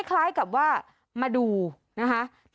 คล้ายกับว่ามาดูนะคะ